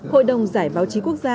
hội đồng giải báo chí quốc gia